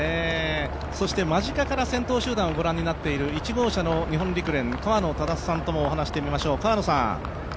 間近から先頭集団をご覧になっている日本陸連の河野匡さんともお話ししてみましょう。